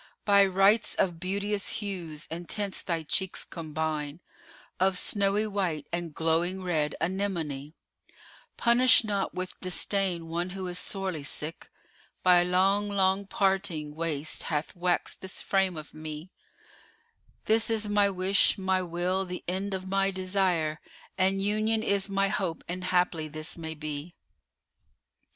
By rights of beauteous hues and tints thy cheeks combine * Of snowy white and glowing red anemone, Punish not with disdain one who is sorely sick * By long, long parting waste hath waxed this frame of me: This is my wish, my will, the end of my desire, * And Union is my hope an haply this may be!"